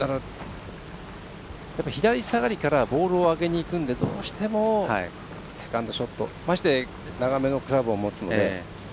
左下がりからボールを上げにいくのでどうしてもセカンドショットまして、長めのクラブを持つので。